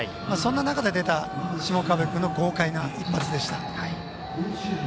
そんな中で出た下川邊君の豪快な一発でした。